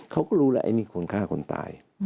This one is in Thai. เขาก็รู้แล้วไอ้นี่คนฆ่าคนตาย